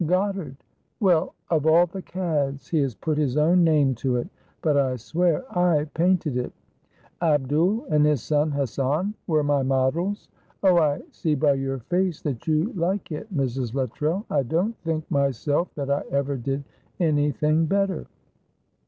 'Goddard.' Well, of all the cads! He has put his own name to it, but I swear I painted it. Abdul and his son Hassan were my models. Oh, I see by your face that you like it, Mrs. Luttrell. I don't think myself that I ever did anything better.